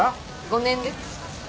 ５年です。